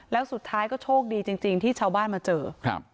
แล้วสุดท้ายก็โชคดีจริงจริงที่ชาวบ้านมาเจอครับ